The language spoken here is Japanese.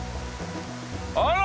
あら！